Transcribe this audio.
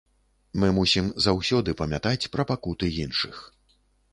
Мы мусім заўсёды памятаць пра пакуты іншых.